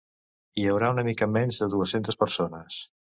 Hi haurà una mica menys de dues-centes persones.